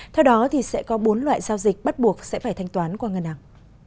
theo đó sẽ có bốn loại giao dịch bắt buộc sẽ phải thanh toán qua ngân hàng